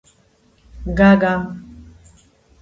გაგა